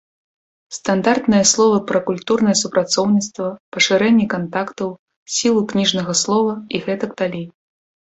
Стандартныя словы пра культурнае супрацоўніцтва, пашырэнне кантактаў, сілу кніжнага слова і гэтак далей.